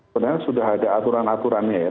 sebenarnya sudah ada aturan aturannya ya